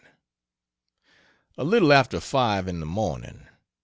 A little after 5 in the morning.